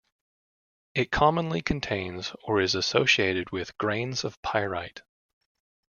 It commonly contains or is associated with grains of pyrite.